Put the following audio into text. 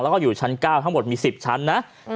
แล้วก็อยู่ชั้น๙ทั้งหมดมี๑๐ชั้นนะ